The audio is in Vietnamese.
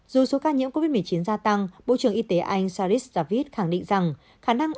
dù số ca nhiễm covid một mươi chín gia tăng bộ trưởng y tế anh sharis giảvid khẳng định rằng khả năng